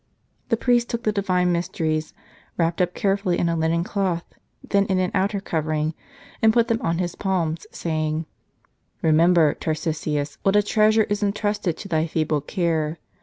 The j)riest took the Divine Mysteries wrapped up carefully in a linen cloth, then in an outer cover ing, and put them on his palms, saying :" Remember, Tarcisius, what a treasure is intrusted to thy feeble care.